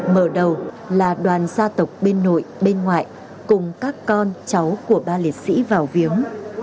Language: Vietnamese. mở đầu là đoàn gia tộc bên nội bên ngoại cùng các con cháu của ba liệt sĩ vào viếng